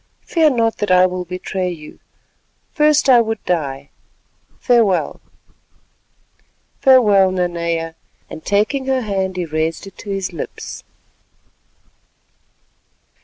Fear not that I will betray you—first would I die. Farewell." "Farewell, Nanea," and taking her hand he raised it to his lips.